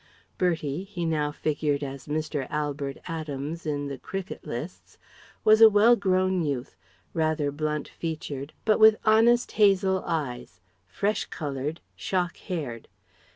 Bertie he now figured as Mr. Albert Adams in the cricket lists was a well grown youth, rather blunt featured, but with honest hazel eyes, fresh coloured, shock haired.